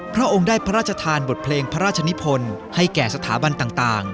พระองค์ได้พระราชทานบทเพลงพระราชนิพลให้แก่สถาบันต่าง